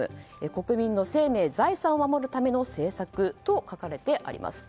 国民の生命・財産を守るための政策と書かれています。